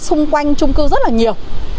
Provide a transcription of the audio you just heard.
xung quanh trung cư rất là nhiều